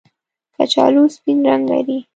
کچالو سپین رنګ لري